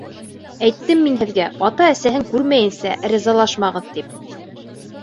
Әйттем мин һеҙгә ата-әсәһен күрмәйенсә ризалашмағыҙ, тип.